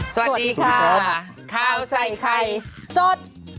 สวัสดีค่ะข้าวใส่ไข่สด